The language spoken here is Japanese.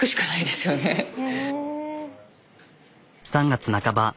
３月半ば